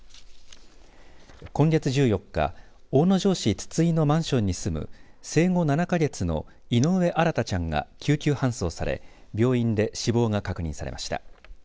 今月１４日大野城市筒井のマンションに住む生後７か月の井上新大ちゃんが救急搬送され病院で死亡が確認されました。